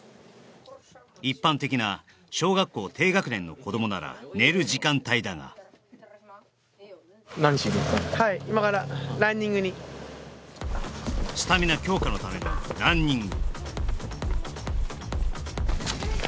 一般的な小学校低学年の子どもなら寝る時間帯だがはいスタミナ強化のためのランニング